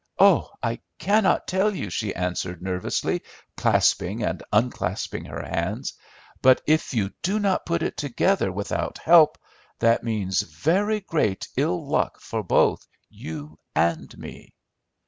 "Oh, I cannot tell you," she answered, nervously clasping and unclasping her hands; "but if you do not put it together without help, that means very great ill luck for both you and me."